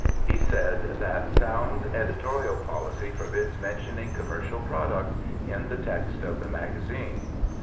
He said that sound editorial policy forbids mentioning commercial products in the text of the magazine.